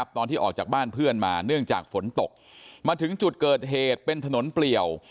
ตอนที่ออกจากบ้านเพื่อนมาเนื่องจากฝนตกมาถึงจุดเกิดเหตุเป็นถนนเปลี่ยว